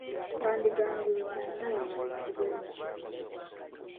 Wandigambye otya? Ndaba abalenzi bwe mutyo!